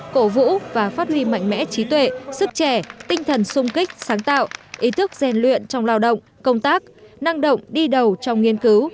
cổ vũ và phát huy mạnh mẽ trí tuệ sức trẻ tinh thần sung kích sáng tạo ý thức gian luyện trong lao động công tác năng động đi đầu trong nghiên cứu